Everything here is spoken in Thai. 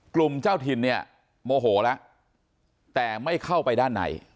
เจ้าถิ่นเนี่ยโมโหแล้วแต่ไม่เข้าไปด้านใน